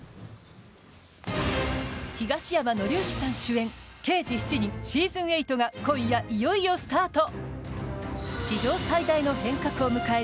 東山紀之さん主演「刑事７人シーズン８」が今夜いよいよスタート！